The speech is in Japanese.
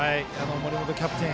森本キャプテン